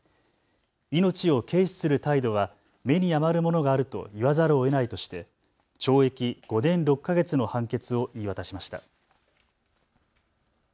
命を軽視する態度は目に余るものがあると言わざるをえないとして懲役５年６か月の判決を言い渡しました。